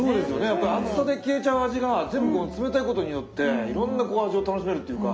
やっぱ熱さで消えちゃう味が全部こう冷たいことによっていろんなこう味を楽しめるっていうか。